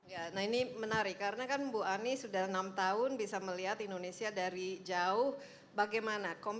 ya nah ini menarik karena kan bu ani sudah enam tahun bisa melihat indonesia dari jauh bagaimana